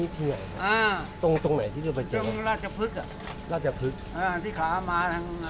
เนี่ยมายูรู้ว่าชนเขาจริงหรือเปล่า